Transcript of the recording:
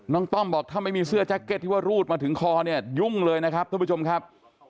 ต้อมบอกถ้าไม่มีเสื้อแจ็คเก็ตที่ว่ารูดมาถึงคอเนี่ยยุ่งเลยนะครับท่านผู้ชมครับ